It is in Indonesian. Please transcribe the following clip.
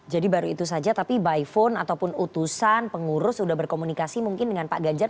jadi baru itu saja tapi by phone ataupun utusan pengurus sudah berkomunikasi mungkin dengan pak ganjar